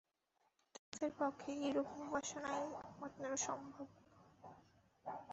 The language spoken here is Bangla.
তাঁহাদের পক্ষে এইরূপ উপাসনাই একমাত্র সম্ভব।